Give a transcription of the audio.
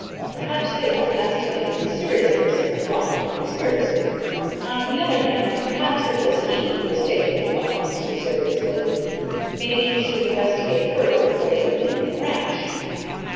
Perhaps they underestimated the seriousness of the Flockhart conspiracy. On the other hand, perhaps it was he who was taking the Flockharts too seriously. Maybe he should investigate further before doing anything rash.